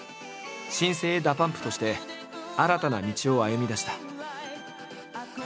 新生ＤＡＰＵＭＰとして新たな道を歩みだした。